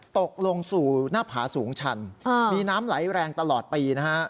ตกลงสู่หน้าผาสูงชันมีน้ำไหลแรงตลอดปีนะฮะ